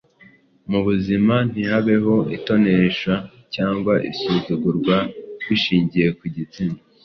mu buzima ntihabeho itonesha cyangwa isuzugurwa bishingiye ku gitsina